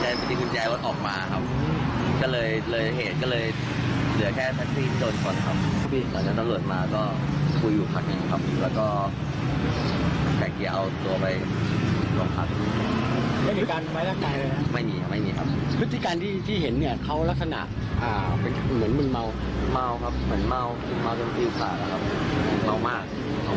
เหมือนม่าวครับเหมือนม่าวเมาที่สี่อีกครับม่าวมาก